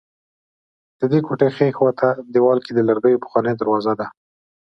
ددې کوټې ښي خوا ته دېوال کې د لرګیو پخوانۍ دروازه وه.